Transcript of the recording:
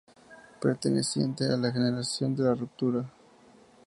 Perteneciente a la Generación de la Ruptura.